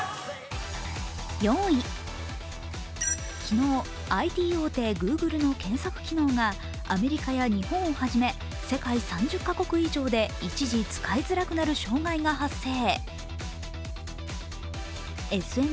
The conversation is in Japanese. ４位、昨日、ＩＴ大手グーグルの検索機能がアメリカや日本を初め世界３０カ国以上で一時、使いづらくなる障害が発生。